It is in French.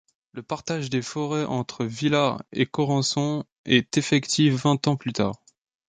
Le partage des forêts entre Villard et Corrençon est effectif vingt ans plus tard.